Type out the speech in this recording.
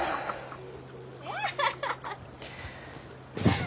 ・アハハハ！